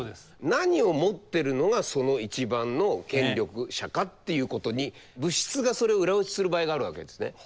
何を持ってるのがその一番の権力者かっていうことに物質がそれを裏打ちする場合があるわけですね。